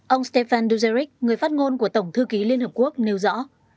ông stefan duzerich người phát ngôn của tổng thư ký liên hợp quốc nêu rõ